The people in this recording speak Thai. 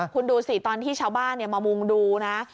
คุณดูสิตอนที่ชาวบ้านมามุงดูนะ